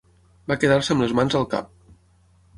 Va quedar-se amb les mans al cap.